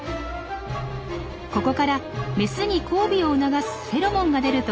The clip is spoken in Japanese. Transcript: ここからメスに交尾を促すフェロモンが出ると考えられています。